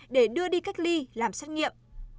để đưa đi cách ly làm xét nghiệm